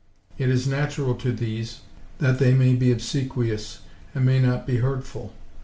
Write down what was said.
It is natural to these, that they may be obsequious, and may not be hurtful.